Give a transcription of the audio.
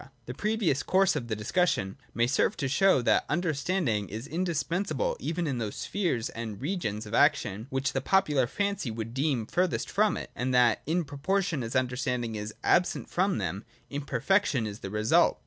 The previous course of the discussion may serve to show, that understanding is indispensable even in those spheres and regions of action which the popular fancy would deem furthest from it, and that in proportion as understanding is absent from them, imperfection is the result.